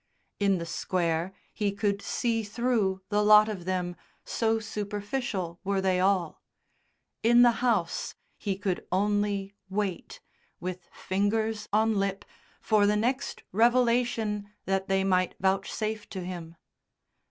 In the Square he could see through the lot of them, so superficial were they all; in the House he could only wait, with fingers on lip, for the next revelation that they might vouchsafe to him.